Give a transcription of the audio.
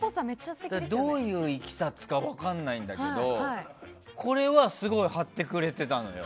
どういう行きさつか分からないんだけどこれは、すごい貼ってくれてたのよ。